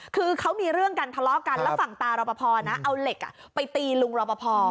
คือเขามีเรื่องกันทะเลาะกันแล้วฝั่งตารอปภนะเอาเหล็กไปตีลุงรอปภ